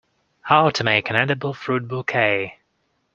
How to make an edible fruit bouquet.